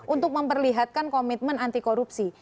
untuk memperlihatkan komitmen anti korupsi